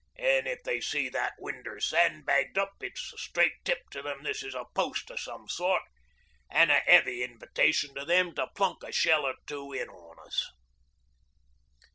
An' if they see that window sandbagged up it's a straight tip to them this is a Post of some sort, an' a hearty invitation to them to plunk a shell or two in on us."